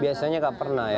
biasanya gak pernah ya